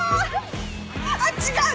あっ違う！